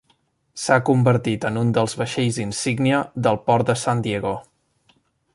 S'ha convertit en un dels vaixells insígnia del port de San Diego.